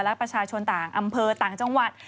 และประชาชนต่างอำเภอต่างจังหวัด